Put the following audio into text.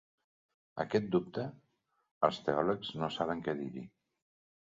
A aquest dubte, els teòlegs no saben què dir-hi.